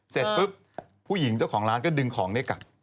เสร็จปุ๊บผู้หญิงเจ้าของร้านก็ดึงของนี้กลับ